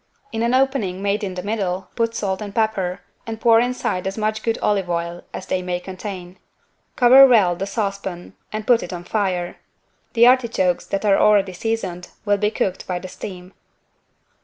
In an opening made in the middle put salt and pepper, and pour inside as much good olive oil as they may contain. Cover well the saucepan and put it on the fire. The artichokes, that are already seasoned, will be cooked by the steam.